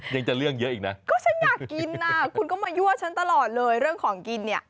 ยังจะเรื่องเยอะอีกนะก็ฉันอยากกินน่ะคุณก็มายั่วฉันตลอดเลยเรื่องของกินเนี่ย